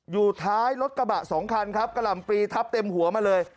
อยู่ท้ายรถกระบะสองคันครับกะหล่ำปรีทับเต็มหัวมาเลย